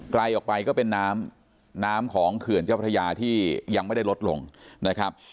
ไกลออกไปก็เป็นน้ำน้ำของเขื่อนเจ้าพระยาที่ยังไม่ได้ลดลงนะครับ